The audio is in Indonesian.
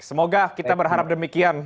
semoga kita berharap demikian